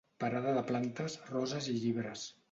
Parada de plantes, roses i llibres.